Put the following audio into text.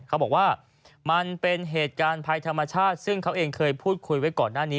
เขาบอกว่ามันเป็นเหตุการณ์ภัยธรรมชาติซึ่งเขาเองเคยพูดคุยไว้ก่อนหน้านี้